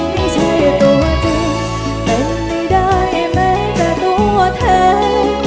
ไม่ใช่ตัวจริงเป็นไม่ได้แม้แต่ตัวแทน